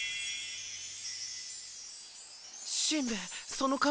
しんべヱその髪。